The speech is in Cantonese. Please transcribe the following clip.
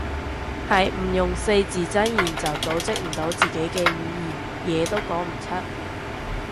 係唔用四字真言就組織唔到自己嘅語言，嘢都講唔出